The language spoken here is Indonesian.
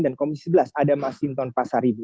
dan komisi sebelas ada mas jinton pasaribu